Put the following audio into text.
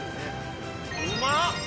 うまっ！